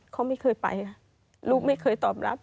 เขาไม่เคยไปลูกไม่เคยตอบรับ